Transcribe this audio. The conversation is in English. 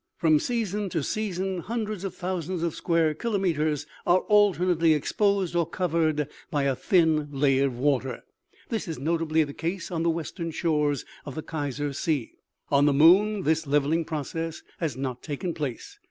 From season to season hundreds of thousands of square kilometers are alternately exposed or covered by a thin layer of water. This is notably the case on the western shores of the Kaiser sea. On the moon this levelling process has not taken place.